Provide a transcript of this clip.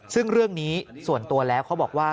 ซึ่งเรื่องนี้ส่วนตัวแล้วเขาบอกว่า